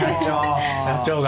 社長が。